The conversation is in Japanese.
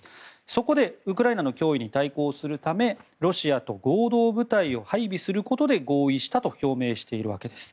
そこでウクライナの脅威に対抗するためロシアと合同部隊を配備することで合意したと表明しているわけです。